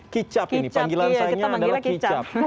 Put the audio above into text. kicap ini panggilan saya ini adalah kicap